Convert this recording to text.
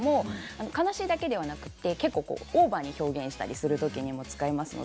悲しいだけではなくて結構オーバーに表現したりする時に使います。